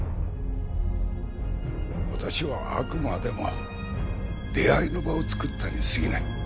私はあくまでも出会いの場を作ったに過ぎない。